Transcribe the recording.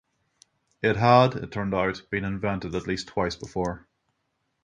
It had, it turned out, been invented at least twice before.